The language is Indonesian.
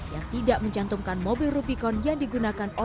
yang tidak mencantumkan mobil rubicon yang digunakan